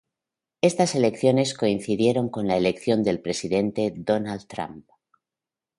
Estas elecciones coincidieron con la elección del presidente Donald Trump.